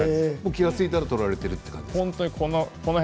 気が付いたらやられている感じですか。